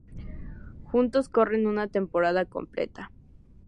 Juntos corren una temporada completa.